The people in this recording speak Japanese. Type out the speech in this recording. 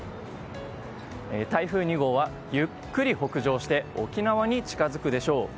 台風２号はゆっくり北上して沖縄に近づくでしょう。